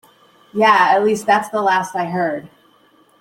Yeah, at least that's the last I heard.